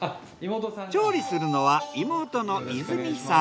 調理するのは妹の和泉さん。